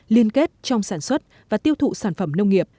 liên kết trong sản xuất và tiêu thụ sản phẩm nông nghiệp